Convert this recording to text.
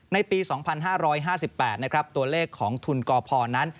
ในปี๒๕๕๘ตัวเลขของทุนกพนั้น